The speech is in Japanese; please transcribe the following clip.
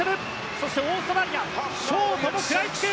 そしてオーストラリアショートも食らいつく！